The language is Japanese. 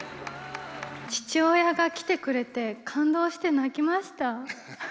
父親が来てくれて感動して泣きました。